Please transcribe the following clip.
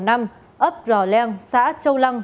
ấp rò leong xã châu lăng